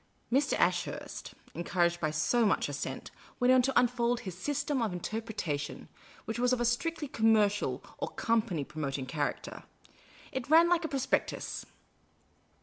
Mr. Ashurst, encouraged by so much assent, went on to unfold his System of Interpretation, which was of a strictly connnercial or company promoting character. It ran like a prospectus.